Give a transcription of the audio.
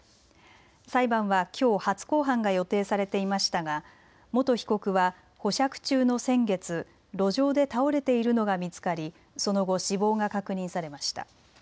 裁判はきょう初公判が予定されていましたが元被告は保釈中の先月、路上で倒れているのが見つかりその後、死亡が確認されました。